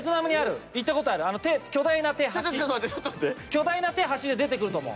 巨大な手橋で出てくると思う。